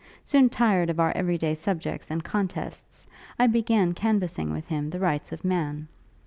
Soon tired of our every day subjects and contests, I began canvassing with him the Rights of Man.